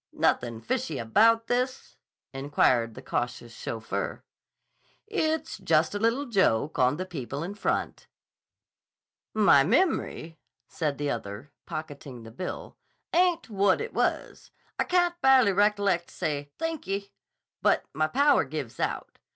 "Nuthin' fishy about this?" inquired the cautious chauffeur. "It's just a little joke on the people in front." "My mem'ry," said the other, pocketing the bill, "ain't whut it was. I c'n t ba'ly rec'lect t' say 'Thank ye,' but there my power gives out.